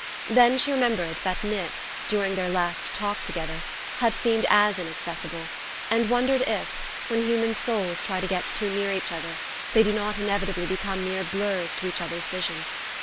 Then she remembered that Nick, during their last talk together, had seemed as inaccessible, and wondered if, when human souls try to get too near each other, they do not inevitably become mere blurs to each other's vision.